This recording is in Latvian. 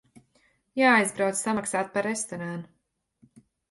Jāaizbrauc samaksāt par restorānu.